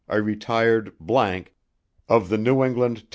A RETIRED ____ OF THE NEW ENGLAND TEL.